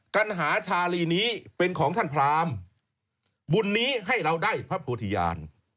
กัญหาชาลีนี้เป็นของท่านพรามบุญนี้ให้เราได้พระโพธิญาณ